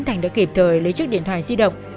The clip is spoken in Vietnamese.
thành đã kịp thời lấy chiếc điện thoại di động